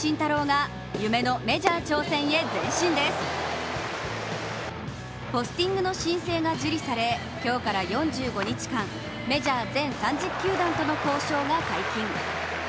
ＪＴポスティングの申請が受理され今日から４５日間メジャー全３０球団との交渉が解禁。